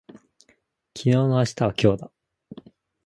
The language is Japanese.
昨日の明日は今日だ